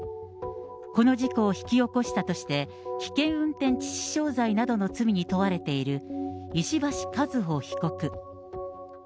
この事故を引き起こしたとして、危険運転致死傷罪などの罪に問われている、石橋和歩被告。